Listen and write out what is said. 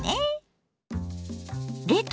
冷凍